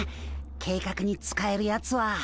計画に使えるやつは。